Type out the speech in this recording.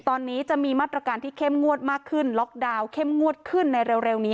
ตอนนี้จะมีมาตรการที่เข้มงวดมากขึ้นล็อกดาวน์เข้มงวดขึ้นในเร็วนี้